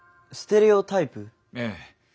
ええ。